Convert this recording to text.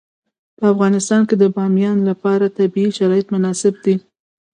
په افغانستان کې د بامیان لپاره طبیعي شرایط مناسب دي.